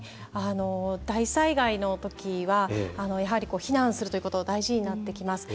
大災害の時は避難するということ大事なってきます。